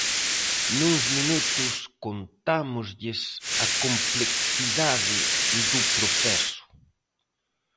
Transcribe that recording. Nuns minutos contámoslles a complexidade do proceso.